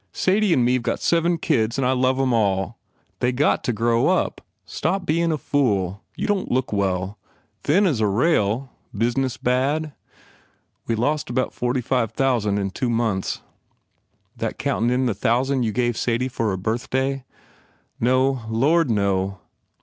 Sadie and me ve got seven kids and I love em all. ... They got to grow up. Stop bein a fool. ... You don t look well. Thin s a rail. Business bad?" "We lost about forty five thousand in two months." "That countin in the thousand you gave Sadie for her birthday?" "No Lord, no!"